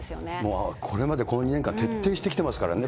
もうこれまでこの２年間、徹底してきてますからね。